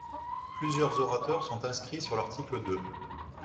Plusieurs orateurs sont inscrits sur l’article deux.